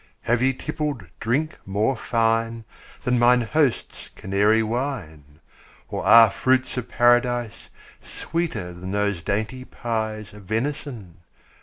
Have ye tippled drink more fine Than mine host's Canary wine? Or are fruits of Paradise Sweeter than those dainty pies Of venison?